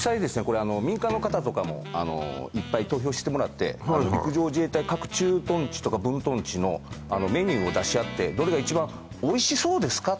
これ民間の方とかもいっぱい投票してもらって陸上自衛隊各駐屯地とか分屯地のメニューを出し合ってどれが一番おいしそうですか？